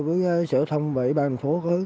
với sự giao thông và ủy ban thành phố